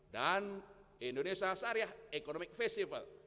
dan indonesia sariah ekonomi festival